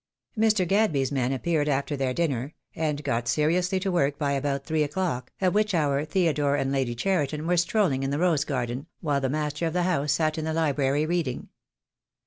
Mr. Gadby's men appeared after their dinner, and got seriously to work by about three o'clock, at which hour Theodore and Lady Cheriton were strolling in the rose garden, while the master of the house sat in the library reading.